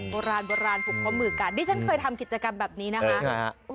โบราณโบราณผูกข้อมือกันดิฉันเคยทำกิจกรรมแบบนี้นะคะ